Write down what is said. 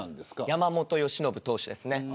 山本由伸投手です。